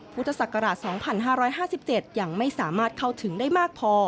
พุทธศักราช๒๕๕๗ยังไม่สามารถเข้าถึงได้มากพอ